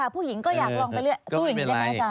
ผู้หญิงก็อยากลองไปเรื่อย